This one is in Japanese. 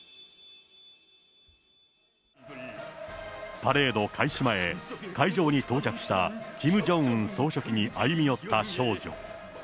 パレード開始前、会場に到着したキム・ジョンウン総書記に歩み寄った少女。